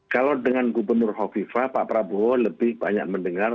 kalau dengan gubernur hovifa pak prabowo lebih banyak mendengar